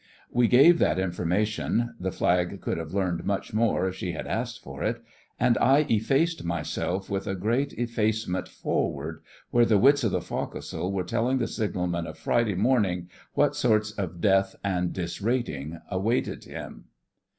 We gave that information (the Flag could have learned much more if she had asked for it) and I effaced myself with a great effacement forward, where the wits of the foc'sle were telling the signalman of Friday morning what sorts of death and disrating awaited him.